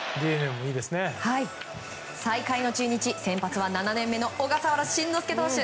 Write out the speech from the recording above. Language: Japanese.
最下位の中日、先発は７年目の小笠原慎之介投手。